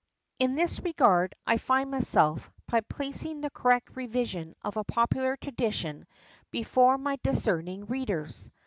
In this regard I find myself, by placing the correct revision of a popular tradition before my discerning readers.